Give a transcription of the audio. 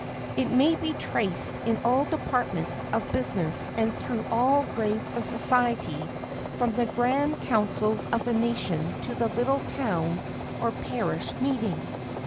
It may be traced in all departments of business and through all grades of society, from the grand councils of the nation to the little town or parish meeting.